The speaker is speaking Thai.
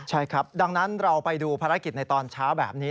ใช่ครับดังนั้นเราไปดูภารกิจในตอนเช้าแบบนี้